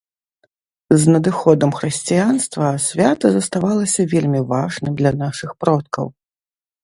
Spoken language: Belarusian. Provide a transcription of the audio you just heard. З надыходам хрысціянства свята заставалася вельмі важным для нашых продкаў.